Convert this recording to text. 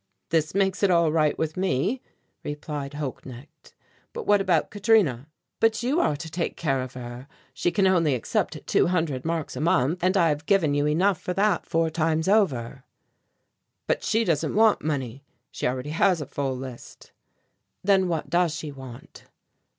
"This makes it all right with me," replied Holknecht, "but what about Katrina?" "But you are to take care of her. She can only accept two hundred marks a month and I have given you enough for that four times over." "But she doesn't want money; she already has a full list." "Then what does she want?"